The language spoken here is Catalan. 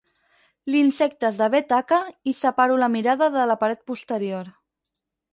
L'insecte esdevé taca i separo la mirada de la paret posterior.